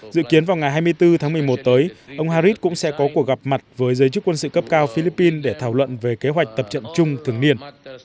dự kiến vào ngày hai mươi bốn tháng một mươi một tới ông harris cũng sẽ có cuộc gặp mặt với giới chức quân sự cấp cao philippines để thảo luận về kế hoạch tập trận chung thường niên